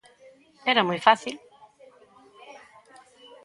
Era moi fácil.